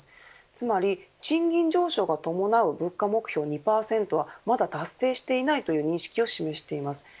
つまり、賃金上昇を伴う物価目標２％はまだ達成していないという認識を示しています。